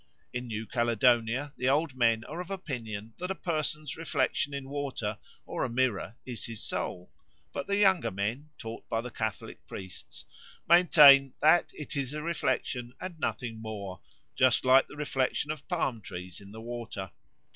In New Caledonia the old men are of opinion that a person's reflection in water or a mirror is his soul; but the younger men, taught by the Catholic priests, maintain that it is a reflection and nothing more, just like the reflection of palm trees in the water.